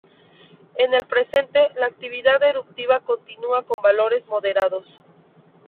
En el presente, la actividad eruptiva continúa con valores moderados.